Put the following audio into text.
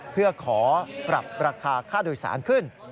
เพื่อขอปรับราคาค่าโดยสารขึ้น